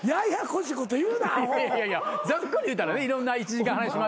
いやいやざっくり言うたらいろんな１時間話しましたけど。